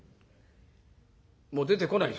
もう出てこないです